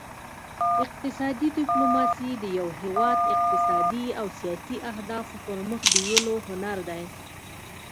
اقتصادي ډیپلوماسي د یو هیواد اقتصادي او سیاسي اهدافو پرمخ بیولو هنر دی